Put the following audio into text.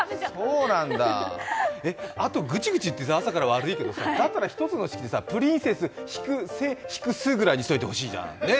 あと、ぐちぐち言ってて、朝から悪いけどさ、だったら１つの式でプリンセス−セ−ス＝ぐらいにした方がいいじゃん。